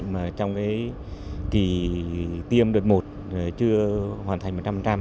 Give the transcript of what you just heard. mà trong kỳ tiêm đợt một chưa hoàn thành một trăm linh